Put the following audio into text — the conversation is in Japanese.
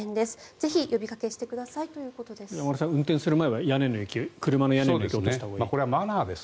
ぜひ、呼びかけしてくださいということです。